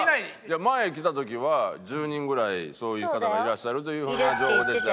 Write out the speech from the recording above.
前来た時は１０人ぐらいそういう方がいらっしゃるというような情報でしたよ。